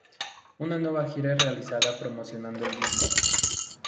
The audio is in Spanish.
Una nueva gira es realizada, promocionando el disco.